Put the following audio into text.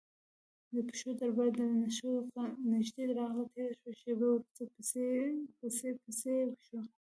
د پښو دربا درنه شوه نږدې راغله تیره شوه شېبه وروسته پسپسی شو،